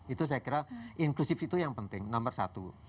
itu saya kira inklusif itu yang penting nomor satu